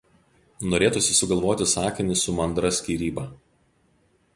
Norėtusi sugalvoti sakinį su mandra skyryba.